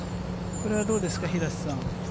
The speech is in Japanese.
これはどうですか、平瀬さん。